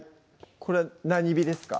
これ何火ですか？